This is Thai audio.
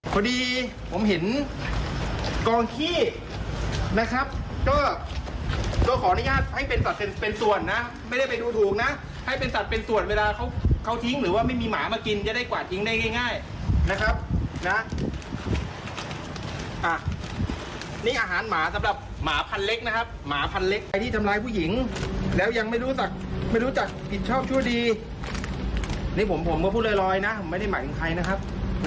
ผมก็พูดเลยร้อยนะผมไม่ได้หมายถึงใครนะครับ